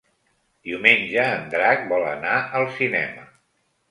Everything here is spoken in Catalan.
Diumenge en Drac vol anar al cinema.